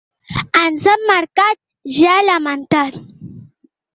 Ens han marcat, ja, ha lamentat.